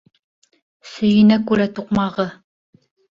Сөйөнә күрә туҡмағы